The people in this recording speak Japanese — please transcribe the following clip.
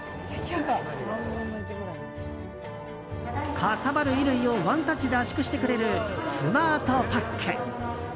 かさばる衣類をワンタッチで圧縮してくれるスマートパック。